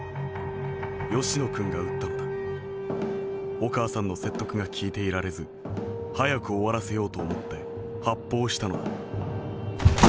お母さんの説得が聞いていられず早く終わらせようと思って発砲したのだ」。